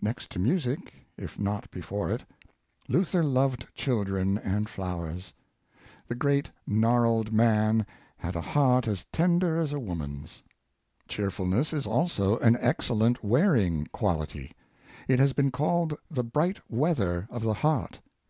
Next to music, if not before it, Luther loved children and flowers. The great gnarled man had a heart as tender as a wo man's. Cheerfulness is also an excellent wearing quality. It has been called the bright weather of the heart.